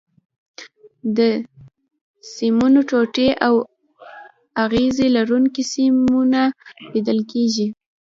د سیمونو ټوټې او اغزي لرونکي سیمونه لیدل کېږي.